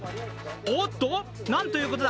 おっと、なんということだ